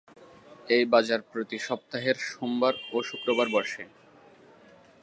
এই বাজার প্রতি সপ্তাহের সোমবার ও শুক্রবার বসে।